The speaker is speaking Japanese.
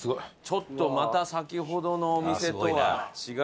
ちょっとまた先ほどのお店とは違いますね。